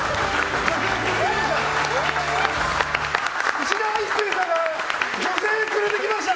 いしだ壱成さんが女性連れてきました！